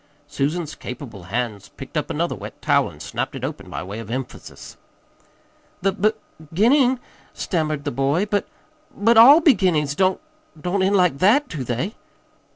Susan's capable hands picked up another wet towel and snapped it open by way of emphasis. "The b beginning?" stammered the boy. "But but ALL beginnings don't don't end like that, do they?"